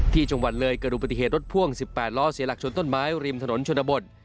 ที่จังหวัดเลยเกิดดูปฏิเหตุรถพ่วง๑๘ล้อเสียหลักชนต้นไม้ริมถนนชนบท